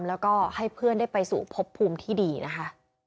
แล้วก็ให้เพื่อนได้ไปสู่พบภูมิที่ดีนะคะ